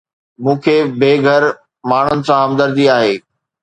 مون کي بي گهر ماڻهن سان همدردي آهي